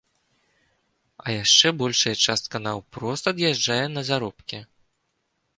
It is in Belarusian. А яшчэ большая частка наўпрост ад'язджае на заробкі.